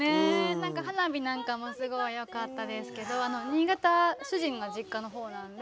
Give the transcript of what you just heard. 何か花火なんかもすごい良かったですけど新潟主人の実家の方なんで。